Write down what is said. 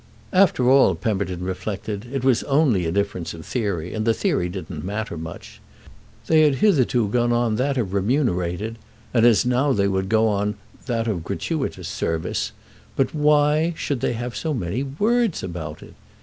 After all, Pemberton reflected, it was only a difference of theory and the theory didn't matter much. They had hitherto gone on that of remunerated, as now they would go on that of gratuitous, service; but why should they have so many words about it?